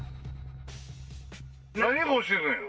何が欲しいんだよ。